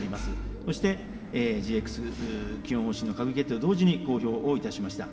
そしてＧＸ基本方針の閣議決定を同時に公表をいたしました。